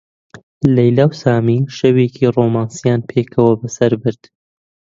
لەیلا و سامی شەوێکی ڕۆمانسییان پێکەوە بەسەر برد.